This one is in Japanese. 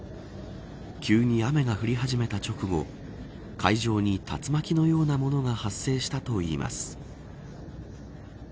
急に雨が降り始めた直後海上に竜巻のようなものが発生したといいます。